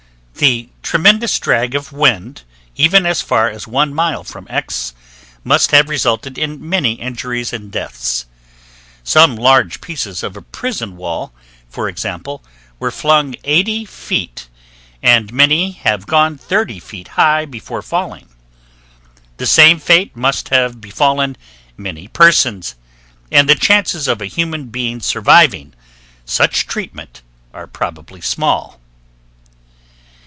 The tremendous drag of wind, even as far as 1 mile from X, must have resulted in many injuries and deaths. Some large pieces of a prison wall, for example, were flung 80 feet, and many have gone 30 feet high before falling. The same fate must have befallen many persons, and the chances of a human being surviving such treatment are probably small.